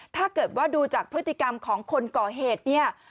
ถ้าเกิดว่าดูจากพฤติกรรมของคนก่อเหตุเนี่ย